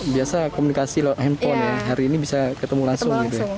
biasa komunikasi lo handphone ya hari ini bisa ketemu langsung